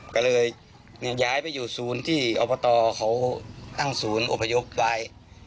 ก็เลยย้ายไปอยู่ศูนย์ที่อบตเขาตั้งศูนย์อพยพไป